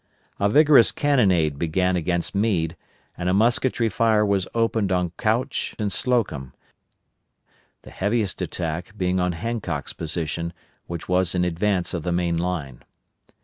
A vigorous cannonade began against Meade, and a musketry fire was opened on Couch and Slocum; the heaviest attack being on Hancock's position, which was in advance of the main line.